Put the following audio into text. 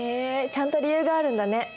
ちゃんと理由があるんだね。